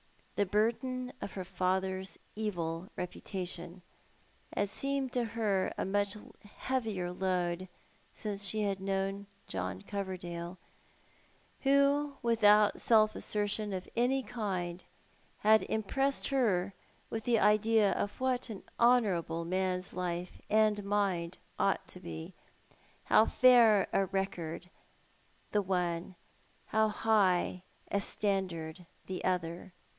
The burden of her Cora expatiates. 269 fatlier's evil reputation had seemed to her a much heavier loail since she had known John Coverdale, who, without self assertion of any kind, had impressed her with the idea of wliat an honour able man's life and mind ought to be— how fair a record the one, how hip;h a standard the other.